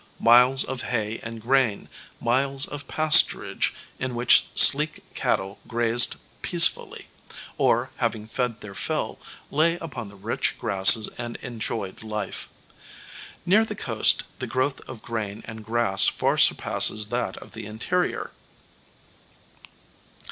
Miles of hay and grain, miles of pasturage, in which sleek cattle grazed peacefully, or, having fed their fill, lay upon the rich grasses and enjoyed life. Near the coast the growth of grain and grass far surpasses that of the interior.